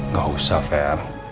gak usah fem